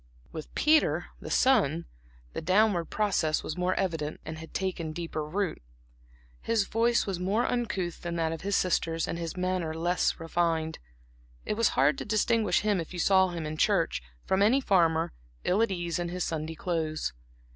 With Peter, the son, the downward process was more evident and had taken deeper root. His voice was more uncouth than that of his sisters and his manner less refined; it was hard to distinguish him if you saw him in church, from any farmer, ill at ease in his Sunday clothes.